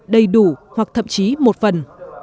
đầy đủ hoặc thậm chí một phần